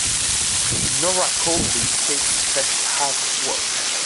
Nora coldly states that she has to work.